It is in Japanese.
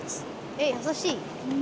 え優しい。